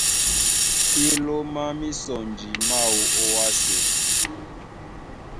Í lómá mísɔnji máō ó wásē.